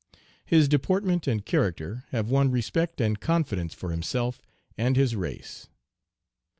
His deportment and character have won respect and confidence for himself and his race.